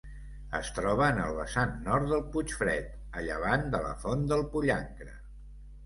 Es troba en el vessant nord del Puigfred, a llevant de la Font del Pollancre.